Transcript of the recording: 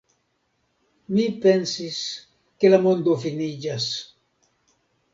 Mi pensis, ke la mondo finiĝas.